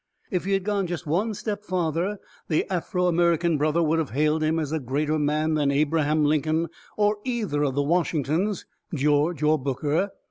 If he had gone just one step farther the Afro American brother would have hailed him as a greater man than Abraham Lincoln, or either of the Washingtons, George or Booker.